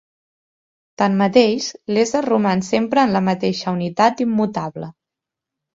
Tanmateix, l'ésser roman sempre en la mateixa unitat immutable.